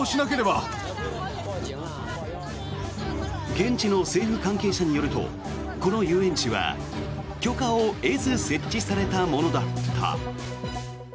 現地の政府関係者によるとこの遊園地は許可を得ず設置されたものだった。